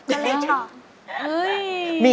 ก็เลยชอบ